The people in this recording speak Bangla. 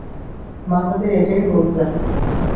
মা তাদের এটাই বলতেন।